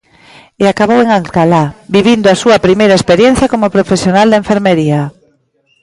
E acabou en Alcalá, vivindo a súa primeira experiencia como profesional da enfermería.